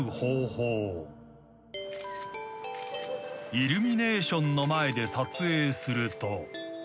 ［イルミネーションの前で撮影すると］